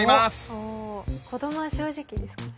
子どもは正直ですから。